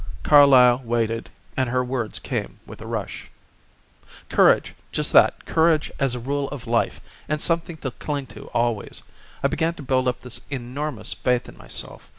Carlyle waited and her words came with a rush. "Courage just that; courage as a rule of life, and something to cling to always. I began to build up this enormous faith in myself.